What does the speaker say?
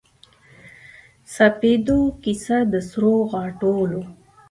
سپیدو کیسه د سروغاټولو